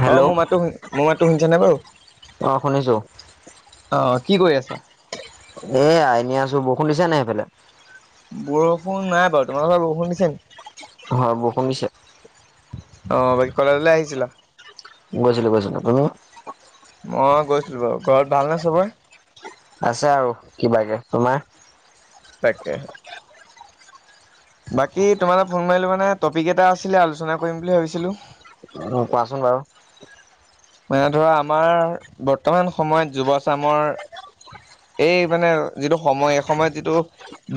Hello অ', মোৰ, মাতো শু, মোৰ-মাতো শুনিছা নাই, বাৰু অ শুনিছো আহ। কি, কৰি আছা। এ, আইনে আছো বৰষুণ দিছা নাই সেইফালে। বৰষুণ নাই বাৰু, তোমাৰোকৰ বৰষুণ দিছে নে? হয়, বৰষূণ দিছে। অ, বাকী কলেজলৈ আহিছিলা। গৈছিলো, গৈছিলো তুমি? মই গৈছিলো বাৰু, ঘৰত ভালনে চবৰে। আছে আৰু, কিবাকে তোমাৰ? তাকে। বাকী তোমালে ফোন মাৰিলো মানে টপিক এটা আছিলে আলোচনা কৰিম বুলি ভাবিছিলো। অ', কোৱাচোন বাৰু। মানে ধৰা আমাৰ বৰ্তমান সময়ত যুৱচামৰ, এই মানে যিটো সময় এই সময়ত যিটো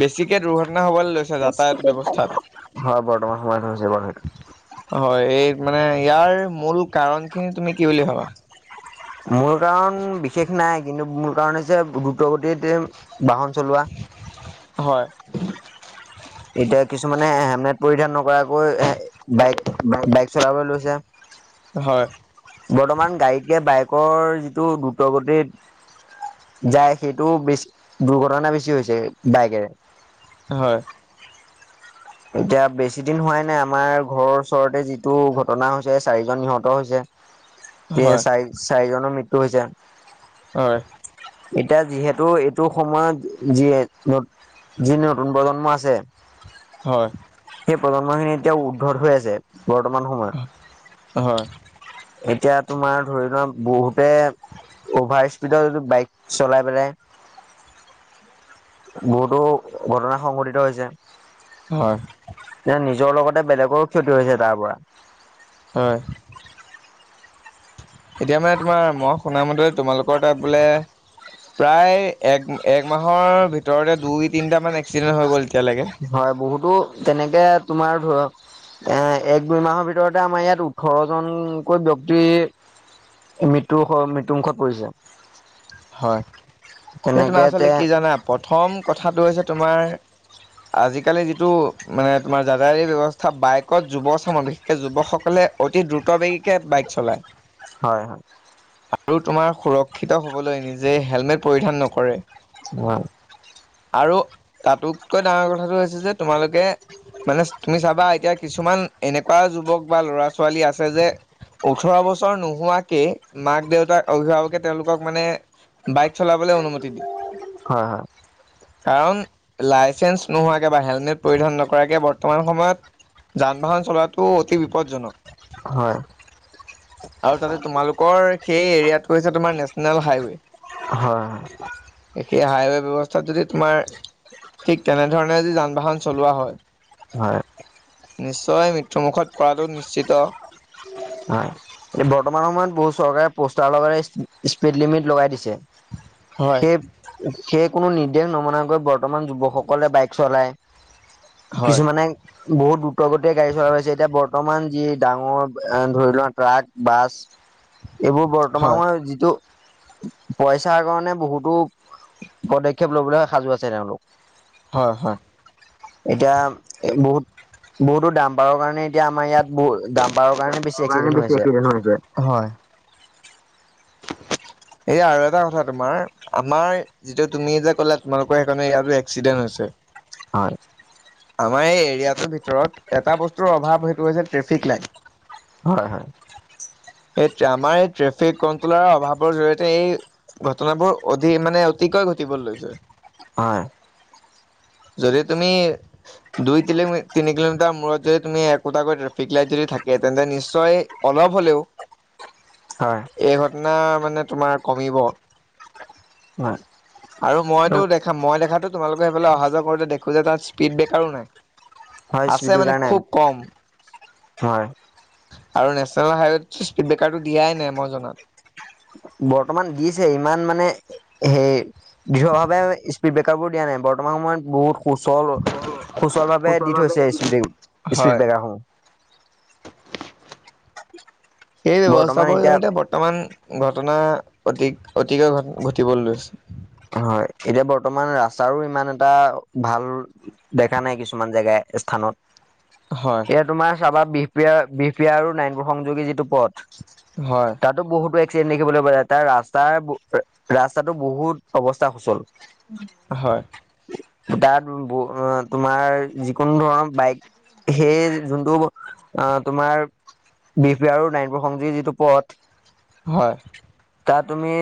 বেছিকে দুৰ্ঘটনা হবলৈ লৈছে [unintelligible] যাতায়ত হয় ব্যৱস্থাত। বৰ্তমান সময় এইবাৰ স হয়, এই মানে ইয়াৰ মূল কাৰণ খিনি তুমি? কি বুলি ভাবা? মোৰ কাৰণ বিশেষ নাই কিন্তু? মূল কাৰণ যে, দ্ৰুত গতিতে বাহন চলোৱা। হয়। এতিয়া কিছুমানে হেমনেট পৰিধান নকৰাক কৈ এ বাইক বাইক চলাবলৈ লৈছে। হয় বৰ্তমান গাড়ীতকে বাইকৰ যিটো দ্ৰুতগতিত যায়, সেইটো বেছি দুৰ্ঘটনা বেছি হৈছে বাইকেৰে। হয়। এতিয়া বেছি দিন হোৱাই নাই আমাৰ ঘৰৰ ওচৰতে যিটো ঘটনা হৈছে চাৰিজন নিহত হৈছে। হয় এই চাৰি চাৰিজনৰ- [unintelligible] হয়। এতিয়া যিহেতু এইটো সময়ত যিয়ে ন যি নতুন প্ৰজন্ম আছে। হয়। সেই প্ৰজন্মখিনি এতিয়াও উদ্ভট হৈ আছে। বৰ্তমান হয়, সময়ত এতিয়া তোমাৰ ধৰি লোৱা বহুতে অ'ভাৰ স্পীডত বাইক চলাই পেলাই বহুতো ঘটনা সংঘটিত হৈছে। হয় যে নিজৰ লগতে বেলেগৰো ক্ষতি হৈছে তাৰ পৰা। হয় এতিয়া মানে তোমাৰ মই শুনামতে তোমালোকৰ তাত বোলে প্ৰায় এক এক মাহৰ ভিতৰতে দুই তিনটামান এ হয় বহুত তো তেনেকে তোমাৰ ধৰ এ এক দুই মাহৰ ভিতৰতে আমাৰ ইয়াত ওঠৰজনকৈ ব্যক্তিৰ মৃত্যু হ মৃত্যুমুুখত পৰিছে। হয়। সেই তেনেকে তোমাৰ তে আচলতে কি জানা প্ৰথম কথাটো হৈছে তোমাৰ আজিকালি যিটো মানে তোমাৰ [unintelligible] ব্যৱস্থা বাইকত যুৱ চামৰ, বিশেষকে যুৱকসকলে অতি দ্ৰুতবেগীকে বাইক চলায়। হয় হয় আৰু তোমাৰ সুৰক্ষিত হ [unintelligible] নিজে হেলমেট পৰিধান নকৰে। [unintelligible] আৰু তাতোতকৈ ডাঙৰ কথাটো হৈছে যে তোমালোকে মানে তুমি চাবা এতিয়া কিছুমান এনেকুৱা যুৱক বা ল'ৰা-ছোৱালী আছে যে ওঠৰ বছৰ নোহোৱাকে মাক-দেউতাক, অভিভাৱকে তেওঁলোকক মানে বাইক চলা [unintelligible] অনুমতি দিয়ে। হয় কাৰণ লাইচেন্স নোহোৱাকে বা হেলমেট পৰিধান নকৰাকে বৰ্তমান সময়ত যান-বাহন চলোৱাটো অতি বিপদজনক। হয় আৰু তাতে তোমালোকৰ সেই কৰিছে তোমাৰ নে হয় হয় সেই হাইৱে' ব্যৱস্থাত যদি তোমাৰ, ঠিক তেনেধৰণে যদি যান-বাহন চলোৱা হয় হয় নিশ্চয় মৃত্যুমুখত পৰাটো নিশ্চিত। হয় এ বৰ্তমান সময়ত বহুত চৰকাৰে পোষ্টাৰ লগাই স্পীড লিমিট লগাই দিছে। হয়, সেই সেই কোনো নিৰ্দেশ নমনাকৈ বৰ্তমান যুৱকসকলে বাইক চলায়। হয়, কিছুমানে বহুত দ্ৰুতগতিয় গাড়ী চলাইয়ে গৈছে এতিয়া বৰ্তমান যি ডাঙৰ এ ধৰি লোৱা ট্ৰাক, বাছ এইবোৰ বৰ্তমান হয়, সময় যিটো পইচাৰ কাৰণে বহুতো পদক্ষেপ লবলৈ সাজু আছে তেওঁলোক। হয়, হয়। এতিয়া এ বহুত বহুতো দামপাৰৰ কাৰণে এতিয়া আমাৰ ইয়াত বহু দাম্পাৰৰ কাৰণে বেছি ট্ৰাকৰ কাৰণে এক্সিডেণ্ট হৈ বেছি আছে এক্সিডেন্ট হৈছে, হয়। এই আৰু এটা কথা তোমাৰ আমাৰ যিতো তুমি যে কলা তোমালোকৰ সেইকাৰনে ইয়াতো এক্সিডেণ্ট হৈছে। হয়। আমাৰ এই এৰিয়াটোৰ ভিতৰত এটা বস্তুৰ অভাৱ সেইটো হৈছে ট্ৰেফিক লাইট। হয় হয়। এই আমাৰ এই ট্ৰেফিক কন্ট্ৰলৰ অভাৱৰ জৰিয়তে এই ঘটনাবোৰ অধিক মানে অতিকয় ঘটিবলৈ লৈছে। হয়। যদি তুমি দুই তিলি তিনি কিলোমিটাৰ মূৰত যদি তুমি একোটাকৈ ট্ৰেফিক লাইট যদি থাকে তেন্তে নিশ্চয় অলপ হলেও হয়। না মানে তোমাৰ কমিব। হয় আৰু মইতো দেখা মই দেখাতো তোমালোকে সেইফালে অহা যোৱা কৰো যে দেখো যে তাত। স্পীড ব্ৰেকাৰো নাই। হয় আছে স্পীড মানে বেকাৰ নায় খুব কম হয়। আৰু নেশ্যনেল হাইৱেত স্পীড ব্ৰেকাৰটো দিয়াই নাই মই জনাত। বৰ্তমান দিছে ইমান মানে হে দৃঢ় ভাৱে স্পীড ব্ৰেকাৰ বোৰ দিয়া নাই বৰ্তমান সময়ত বহু সুচল সুচল ভাৱে দি থৈছে স্পীড স্পীড ব্ৰেকাৰসমূহ। সেই ব্যৱস্থাবোৰ এতিয়া বৰ্তমান ঘটনা অতি অতিকৈ ঘটিবলৈ লৈছে। হয় এতিয়া বৰ্তমান ৰাস্তাৰো ইমান এটা ভাল দেখা নাই, কিছুমান জেগা স্থানত। হয় এয়া তোমাৰ চাবা বি পিয়াৰ বি পিয়াৰ আৰু নাইনপুৰ সংযোগী যিটো পথ হয় তাতো বহুতো এক [unintelligible] দেখিবলৈ পোৱা যায় তাৰ ৰাস্তাৰ ৰাস্তাতটো বহুত অৱস্থা সুচল। হয়। তাত তোমাৰ যিকোনো ধৰণৰ বাইক সেই যোনটো আহ তোমাৰ বি পিয়াৰ আৰু নাই সংযোগী যিটো পথ। হয়। তাত তুমি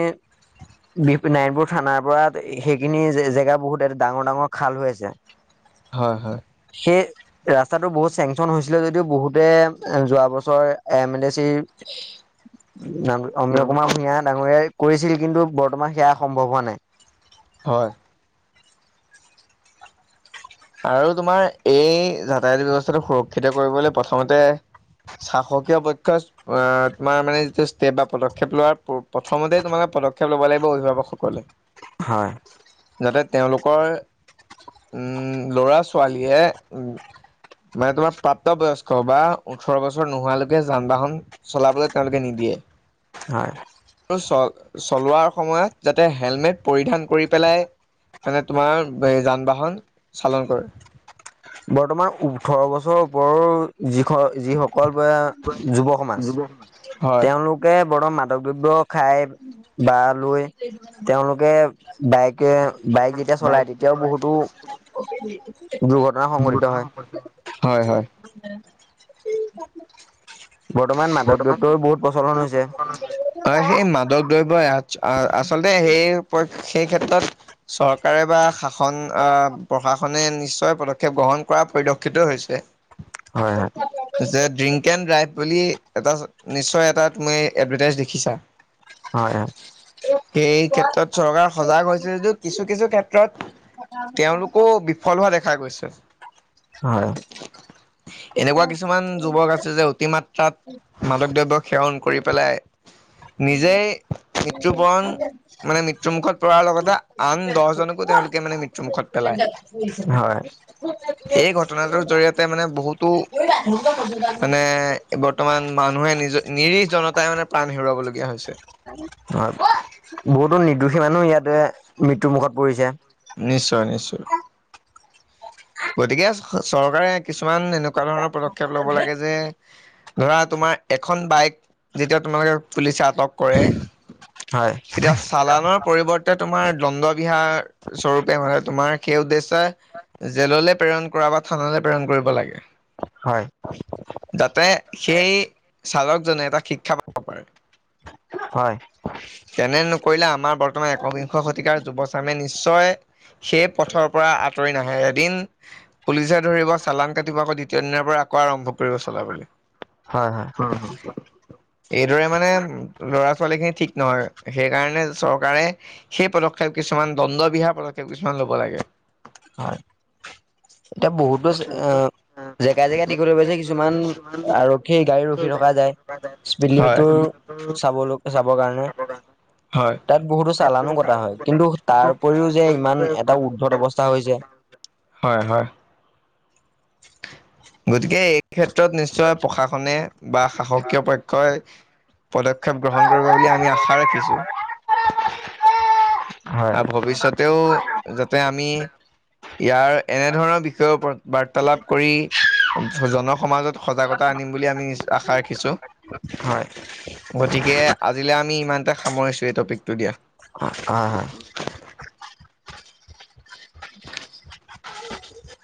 বি পি নাই থানাৰ পৰা সেইখিনি জেগা বহুত এ ডাঙৰ ডাঙৰ খাল হৈ আছে। হয় হয়। এই ৰাস্তাটো বহুত চেংচন হৈছিলে যদিও বহুতে যোৱা বছৰ এম এন চিৰ অমীয়া কুমাৰ ভূঞা ডাঙৰীয়াই। কৰিছিল কিন্তু বৰ্তমান সেয়া স সম্পূৰ্ণ হোৱা নাই। হয়। আৰু তোমাৰ এই যাতায়ত ব্যৱস্থাটো সুৰক্ষিত কৰিবলৈ প্ৰথমতে শাসকীয় পক্ষ তোমাৰ মানে যি ষ্টেপ বা পদক্ষেপ লোৱাৰ প্ৰথমতে তোমালে পদক্ষেপ ল'ব লাগিব অভিভাৱকসকলে। হয়। তাতে তেওঁলোকৰ উম। ল'ৰা ছোৱালীয়ে উম মানে তোমাৰ প্ৰাপ্তবয়স্ক বা ওঠৰ বছৰ নোহোৱালৈকে যান বাহন চলাবলৈ তেওঁলোকে নিদিয়ে। হয়। চ চলোৱাৰ সময়ত যাতে হেলমেট পৰিধান কৰি পেলাই মানে তোমাৰ যান বাহন চালন কৰে। বৰ্তমান ওঠৰ বছৰৰ ওপৰৰ যি যিসকল যুৱ সমাজ হয় তেওঁলোকে বৰ্তমান মাদক দ্ৰব্য খাই বা লৈ তেওঁলোকে বাইক কে বাইক যেতিয়া চলাই তেতিয়াও বহুতো ৰু হয় হয়। [unintelligible] বৰ্তমান মাদৱদ্ৰব্য বহুত প্ৰচলন হয় হৈছে। সেই মাদক দ্ৰব্যই আচলতে সেই পক্ষ সেই ক্ষেত্ৰত চৰকাৰে বা শা সন আহ প্ৰশাসনে- নিশ্চয় পদক্ষেপ গ্ৰহণ কৰা পৰিলক্ষিত হৈছে। হয় হয় যে ড্ৰিংক এণ্ড ড্ৰাইভ। বুলি এটা নিশ্চয় এটা তুমি এডভাৰটাইজ দেখিছা। হয় সেই ক্ষেত্ৰত চৰকাৰ সজাগ হৈছিল যদিও কিছু কিছু ক্ষেত্ৰত তেওঁলোকো বিফল হোৱা দেখা খা গৈছে। হয় এনেকুৱা কিছুমান যুৱক আছে যে অতিমাত্ৰাত মাদক দ্ৰব্য সেৱন কৰি পেলাই নিজেই মৃত্যুবৰণ মানে মৃত্যু মুুখত পৰাৰ লগতে আন দহজনকো তেওঁলোকে মানে মৃত্যু মুখত পেলায়। হয়। সেই ঘটনাটোৰ জৰিয়তে মানে বহুতো মানে এ ব তমান মানুহে নিজ নিৰিহ জনতাই মানে প্ৰাণ হেৰুৱাবলগীয়া হৈছে। অঁ, বহুতো নিৰ্দোষী মানুহ ইয়াতে মি নিশ্চয়- নিশ্চয়। গতিকে চৰকাৰে কিছুমান এনেকুৱা ধৰণৰ পদক্ষেপ ল'ব লাগে যে ধৰা তোমাৰ এখন বাইক যেতিয়া তোমালোকে পুলিচা তক কৰে হয় তেতিয়া চালানৰ পৰিৱৰ্তে তোমাৰ দণ্ডবিহাৰ স্বৰূপে মানে তোমাৰ সেই উ্দেশ্ [unintelligible] জেললৈ প্ৰেৰণ কৰা বা থানালৈ প্ৰেৰণ কৰিব লাগে। হয় যাতে সেই চালক [unintelligible] শিক্ষা পাব পাৰে, হয় তেনে নকৰিলে আমাৰ বৰ্তমান একবিংশ শতিকাৰ যুৱচামে নিশ্চয় সেই পথৰ পৰা আঁতৰি নাহে পুলিচে ধৰিব চালান কাটিব আকৌ দ্বিতীয় দিনাৰ পৰা আকৌ আৰম্ভ চলাবলে, হয় হয় এইদৰে মানে লৰা ছোৱালীখিনি ঠিক [unintelligible] সেইকাৰণে চৰকাৰে সেই পদক্ষেপ কিছুমান দণ্ডবিহা পদক্ষেপ কিছুমান ল'ব লাগে। হয়। এতিয়া বহুতো অ জেগাই- জেগাই [unintelligible] কিছুমান আৰক্ষী গাড়ী ৰখি থকা যায়, স্পীড হয় লিমিটটো চাবলৈ চাবৰ কাৰণে, হয় তাত বহুতো চালানো কটা হয়, কিন্তু তাৰ উপৰিও যে ইমান এটা উৰ্দ্ধত অৱস্থা [unintelligible] হৈ যায়। হয় হয়। গতি কে এই ক্ষেত্ৰত নিশ্চয় প্ৰশাসনে বা শাসকীয় পক্ষই পদক্ষেপ গ্ৰহণ কৰিব বুলি আমি আশা ৰাখিছো। হয় আৰু ভৱিষ্যতেও যাতে আমি ইয়াৰ এনেধৰণৰ বিষয়ৰ ওপৰত বাৰ্তালাপ কৰি জনসমাজত সজাগতা আনিম বুলি আমি আশা ৰাখিছোঁ, হয় গতিকে আজিলে আমি ইমান তে সামৰিছো এই টপিকটো দিয়া। [inaudible] হয় হয়।